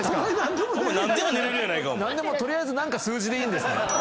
取りあえず何か数字でいいんですね。